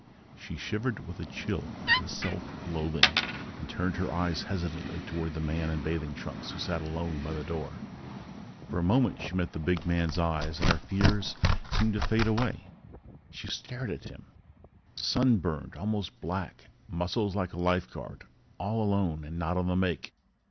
She shivered with a chill of self loathing and turned her eyes hesitantly toward the big man in bathing trunks who sat alone by the door. For a moment she met the big man's eyes and her fears seemed to fade away! She stared at him ... sunburned almost black. Muscles like a lifeguard. All alone and not on the make.